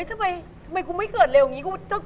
ทำไมกูไม่เกิดเร็วอย่างนี้